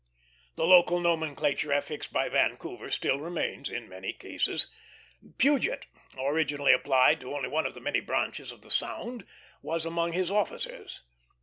The local nomenclature affixed by Vancouver still remains in many cases. Puget, originally applied to one only of the many branches of the sound, was among his officers.